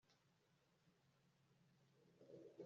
bananirwa kuba icyo Imana yifuza ko baba